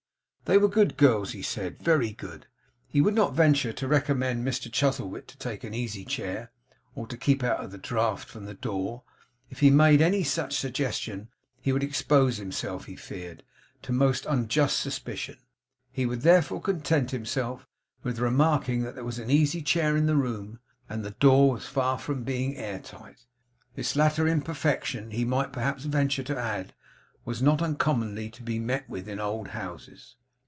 They were good girls, he said, very good. He would not venture to recommend Mr Chuzzlewit to take the easy chair, or to keep out of the draught from the door. If he made any such suggestion, he would expose himself, he feared, to most unjust suspicion. He would, therefore, content himself with remarking that there was an easy chair in the room, and that the door was far from being air tight. This latter imperfection, he might perhaps venture to add, was not uncommonly to be met with in old houses.